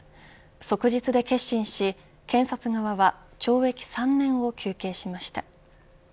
即日で結審し、検察側は懲役３年を求刑しました。